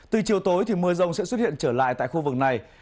từ chiều tối thì mưa rông sẽ xuất hiện trở lại tại khu vực này